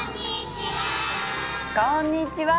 こんにちは。